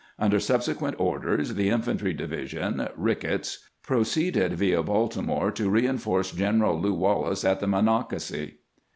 Under subsequent orders the in fantry division (Rickett's) proceeded via Baltimore to reinforce General Lew Wallace, at the Monocacy.